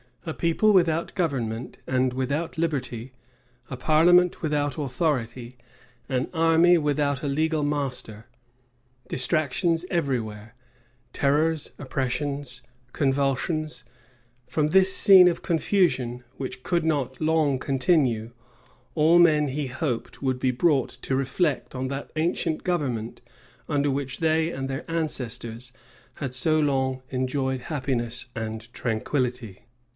A people without government and without liberty, a parliament without authority, an army without a legal master; distractions every where, terrors, oppressions, convulsions: from this scene of confusion, which could not long continue, all men, he hoped, would be brought to reflect on that ancient government under which they and their ancestors had so long enjoyed happiness and tranquillity.